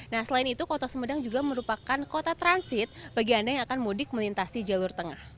nah selain itu kota sumedang juga merupakan kota transit bagi anda yang akan mudik melintasi jalur tengah